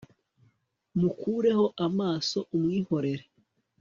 mukureho amaso umwihorere